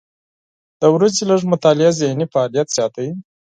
د ورځې لږه مطالعه ذهني فعالیت زیاتوي.